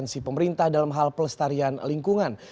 instansi pemerintah dalam hal pelestarian lingkungan